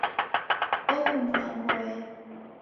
Okunua ngoya